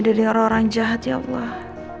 dari orang orang jahat ya allah